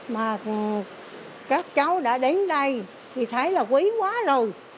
mà các cháu đã đến đây thì thấy là quý quá rồi